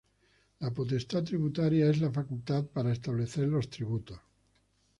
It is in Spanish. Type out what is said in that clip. La potestad tributaria es la facultad para establecer los tributos.